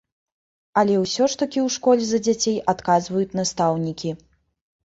Але ўсё ж такі ў школе за дзяцей адказваюць настаўнікі.